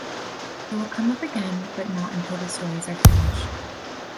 They will come up again but not until the stories are finished.